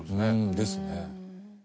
ですね。